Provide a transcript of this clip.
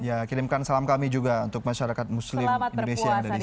ya kirimkan salam kami juga untuk masyarakat muslim indonesia yang ada di sana